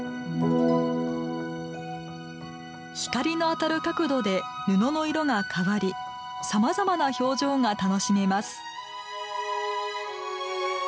光の当たる角度で布の色が変わり様々な表情が楽しめます。